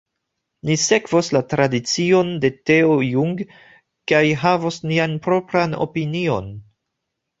Ni sekvos la tradicion de Teo Jung kaj havos nian propran opinion.